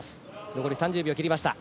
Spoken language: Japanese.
残り３０秒を切りました。